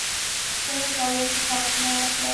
څنګه کولی شم ښه عکسونه واخلم